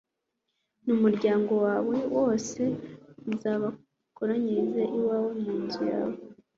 n'umuryango wawe wose uzabakoranyirize iwawe mu nzu